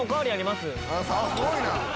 すごいな！